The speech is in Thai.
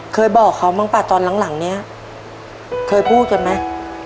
เคยบอกเขาบ้างป่ะตอนหลังเนี่ยเคยพูดกันไหม